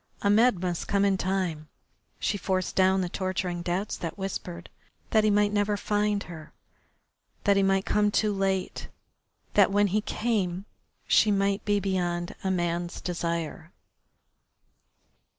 Ahmed must come in time. She forced down the torturing doubts that whispered that he might never find her, that he might come too late, that when he came she might be beyond a man's desire.